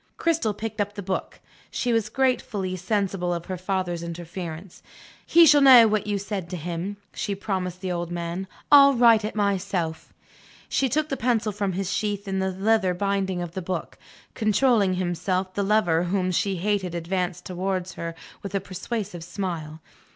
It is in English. Cristel picked up the book. She was gratefully sensible of her father's interference. "He shall know what you said to him," she promised the old man. "I'll write it myself." She took the pencil from its sheath in the leather binding of the book. Controlling himself, the lover whom she hated advanced towards her with a persuasive smile.